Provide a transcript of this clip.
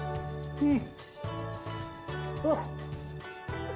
うん！